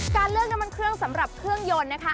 การเลือกน้ำมันเครื่องสำหรับเครื่องยนต์นะคะ